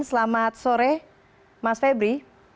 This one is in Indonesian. selamat sore mas febri